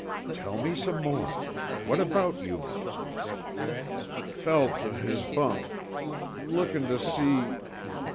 "Tell me some more. What about Yuma?" "Felt o' his bunk ... lookin' tuh see...."